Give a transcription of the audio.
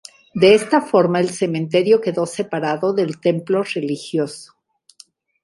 De esta forma el cementerio quedó separado del templo religioso.